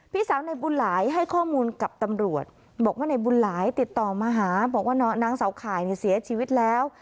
พี่สาวในบุญหลายให้ข้อมูลกับตำรวจบอกว่าในบุญหลายติดต่อมาหาบอกว่านางสาวข่ายเสียชีวิตแล้ว